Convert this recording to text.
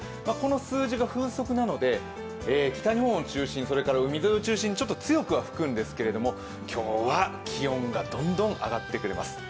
この数字が風速なので北日本を中心に海沿いを中心にちょっと強くは吹くんですけれども今日は気温がどんどん上がってくれます。